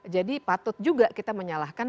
jadi patut juga kita menyalahkan